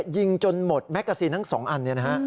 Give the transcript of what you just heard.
ยิงจนหมดแม็กซีนทั้ง๒อัน